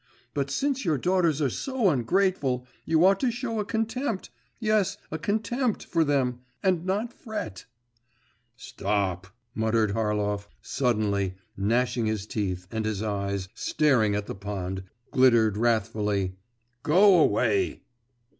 But since your daughters are so ungrateful, you ought to show a contempt yes, a contempt for them … and not fret ' 'Stop!' muttered Harlov suddenly, gnashing his teeth, and his eyes, staring at the pond, glittered wrathfully.… 'Go away!